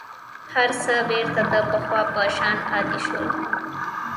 هر څه بېرته د پخوا په شان عادي شول.